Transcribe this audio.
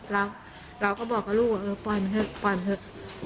เราก็บอกกับลูกว่าเออปล่อยมันเถอะปล่อยมันเถอะ